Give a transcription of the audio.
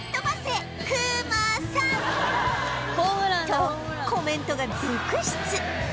とコメントが続出！